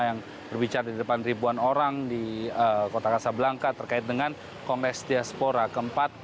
yang berbicara di depan ribuan orang di kota kasablangka terkait dengan komes diaspora ke empat